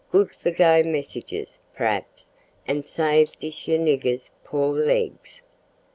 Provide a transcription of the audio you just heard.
Good for go messages, p'raps, an save dis yar nigger's poor legs."